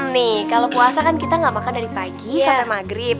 nih kalau puasa kan kita nggak makan dari pagi sampai maghrib